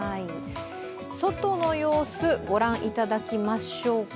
外の様子、ご覧いただきましょうか。